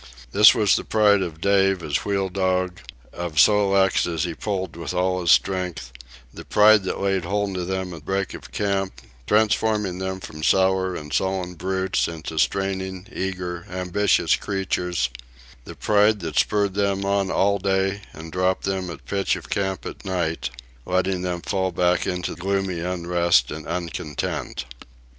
This was the pride of Dave as wheel dog, of Sol leks as he pulled with all his strength; the pride that laid hold of them at break of camp, transforming them from sour and sullen brutes into straining, eager, ambitious creatures; the pride that spurred them on all day and dropped them at pitch of camp at night, letting them fall back into gloomy unrest and uncontent.